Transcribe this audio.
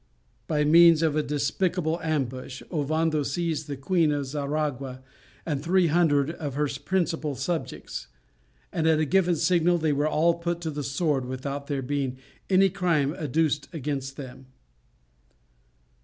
By means of a despicable ambush, Ovando seized the Queen of Xaragua and 300 of her principal subjects, and at a given signal they were all put to the sword without there being any crime adduced against them.